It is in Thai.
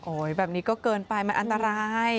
แบบนี้ก็เกินไปมันอันตราย